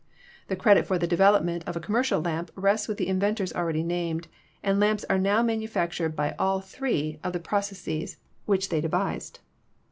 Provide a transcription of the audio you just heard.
The credit for the development of a commercial lamp rests with the inventors already named, and lamps are now manufactured by all three of the pro cesses which they devised.